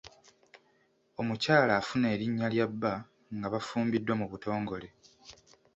Omukyala afuna erinnya lya bba nga bafumbiddwa mu butongole.